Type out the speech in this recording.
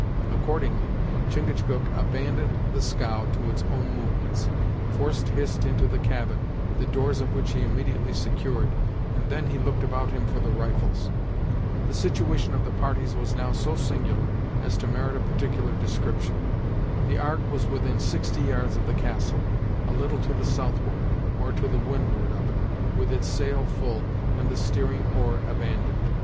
Accordingly, Chingachgook abandoned the scow to its own movements, forced Hist into the cabin, the doors of which he immediately secured, and then he looked about him for the rifles. The situation of the parties was now so singular as to merit a particular description. The Ark was within sixty yards of the castle, a little to the southward, or to windward of it, with its sail full, and the steering oar abandoned.